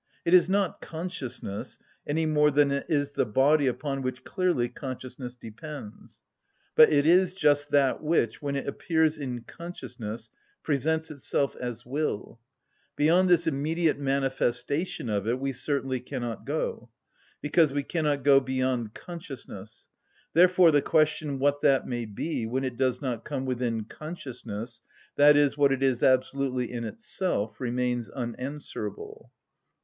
It is not consciousness any more than it is the body upon which clearly consciousness depends. But it is just that which, when it appears in consciousness, presents itself as will. Beyond this immediate manifestation of it we certainly cannot go; because we cannot go beyond consciousness; therefore the question what that may be when it does not come within consciousness, i.e., what it is absolutely in itself, remains unanswerable.